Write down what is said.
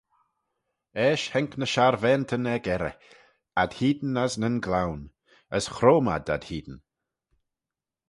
Eisht haink ny sharvaantyn er-gerrey, ad-hene as nyn gloan, as chroym ad ad-hene.